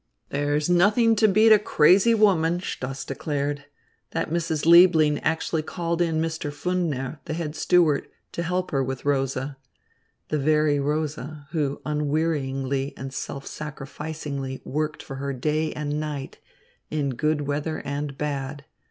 "There is nothing to beat a crazy woman," Stoss declared. "That Mrs. Liebling actually called in Mr. Pfundner, the head steward, to help her with Rosa" the very Rosa, who unwearyingly and self sacrificingly worked for her day and night, in good weather and bad.